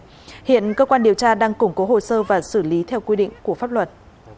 hiện cơ quan điều tra đang củng cố hồ sơ và xử lý theo quy định của pháp luật